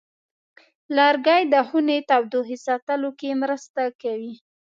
لرګی د خونې تودوخې ساتلو کې مرسته کوي.